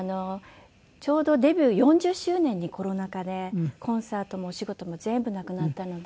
ちょうどデビュー４０周年にコロナ禍でコンサートもお仕事も全部なくなったので。